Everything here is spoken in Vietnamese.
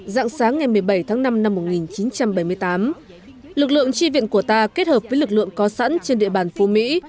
dạng sáng ngày một mươi bảy tháng năm năm một nghìn chín trăm bảy mươi tám lực lượng tri viện của ta kết hợp với lực lượng có sẵn trên địa bàn phú mỹ